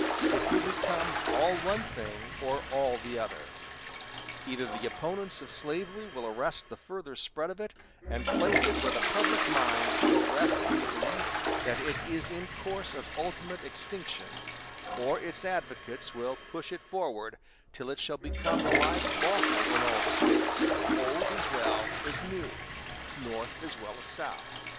It will become all one thing or all the other. Either the opponents of slavery will arrest the further spread of it, and place it where the public mind shall rest in the belief that it is in course of ultimate extinction; or its advocates will push it forward till it shall become alike lawful in all the States, old as well as new, North as well as South."